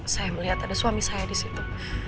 saya melihat ada suami saya di situ